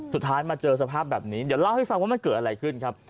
สุดท้ายมาเจอสภาพแบบนี้เดี๋ยวเล่าให้ฟังว่ามันเกิดอะไรขึ้นครับ